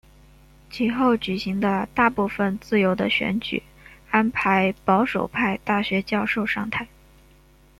其后举行的大部分自由的选举安排保守派大学教授上台。